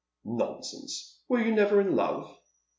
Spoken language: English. " Nonsense ! Were you never in love